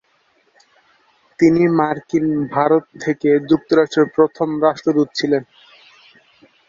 তিনি মার্কিন ভারত থেকে যুক্তরাষ্ট্রের প্রথম রাষ্ট্রদূত ছিলেন।